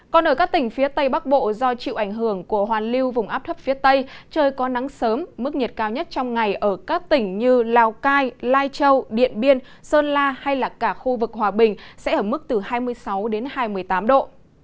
còn ở các tỉnh phía tây bắc bộ do chịu ảnh hưởng của hoàn lưu vùng áp thấp phía tây trời có nắng sớm mức nhiệt cao nhất trong ngày ở các tỉnh như lào cai lai châu điện biên sơn la hay là cả khu vực hòa bình sẽ ở mức từ hai mươi sáu đến hai mươi tám độ